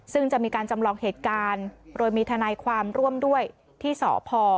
ซึ่งจะมีการจำลองเหตุการณ์โดยมีทนายความร่วมด้วยที่สพ